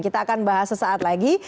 kita akan bahas sesaat lagi